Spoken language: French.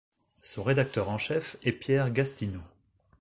Son rédacteur en chef est Pierre Gastineau.